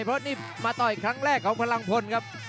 เพราะนี่มาต่อยครั้งแรกของพลังพลครับ